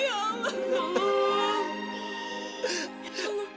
ibu gak mau ditinggalin gita